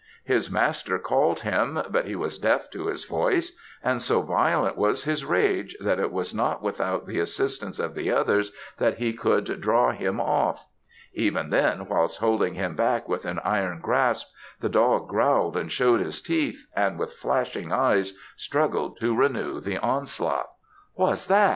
His master called him, but he was deaf to his voice; and so violent was his rage that it was not without the assistance of the others that he could draw him off. Even then, whilst holding him back with an iron grasp, the dog growled and shewed his teeth, and with flashing eyes, struggled to renew the onslaught. "Wha's that?"